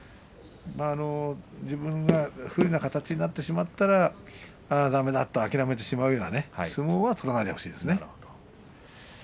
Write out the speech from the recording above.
自分が不利な形になってしまったらだめだったと諦めてしまうような相撲は取らないでほしいですね。